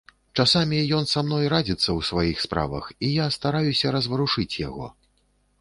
Часамі ён са мной радзіцца ў сваіх справах, і я стараюся разварушыць яго.